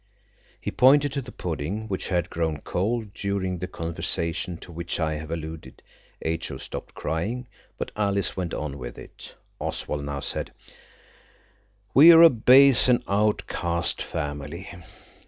He pointed to the pudding, which had grown cold during the conversation to which I have alluded. H.O. stopped crying, but Alice went on with it. Oswald now said– "We're a base and outcast family.